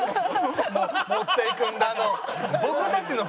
持っていくんだね。